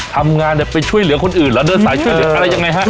ทำงานเนี่ยไปช่วยเหลือคนอื่นเหรอเดินสายช่วยเหลืออะไรยังไงฮะ